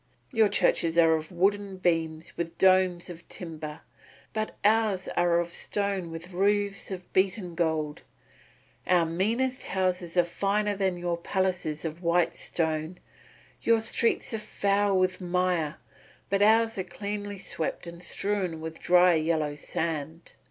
Your churches are of wooden beams with domes of timber, but ours are of stone with roofs of beaten gold. Our meanest houses are finer than your palaces of white stone. Your streets are foul with mire, but ours are cleanly swept and strewn with dry yellow sand.